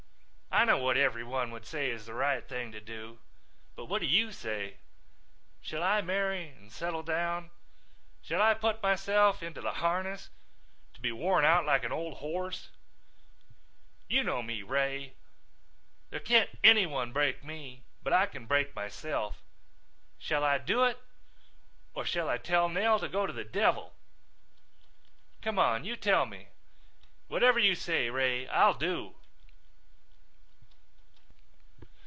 I know what everyone would say is the right thing to do, but what do you say? Shall I marry and settle down? Shall I put myself into the harness to be worn out like an old horse? You know me, Ray. There can't anyone break me but I can break myself. Shall I do it or shall I tell Nell to go to the devil? Come on, you tell me. Whatever you say, Ray, I'll do."